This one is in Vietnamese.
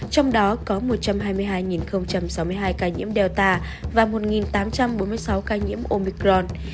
trong đó có một trăm hai mươi hai sáu mươi hai ca nhiễm delta và một tám trăm bốn mươi sáu ca nhiễm omicron